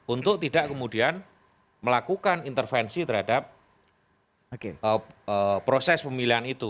untuk tidak kemudian melakukan intervensi terhadap proses pemilihan itu